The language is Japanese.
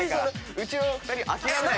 うちの２人諦めないからね。